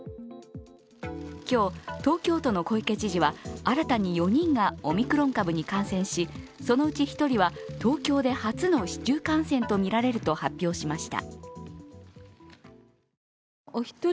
今日、東京都の小池知事は新たに４人がオミクロン株に感染しそのうち１人は東京で初の市中感染とみられると発表しました。